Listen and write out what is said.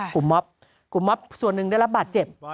ม็อบกลุ่มม็อบส่วนหนึ่งได้รับบาดเจ็บ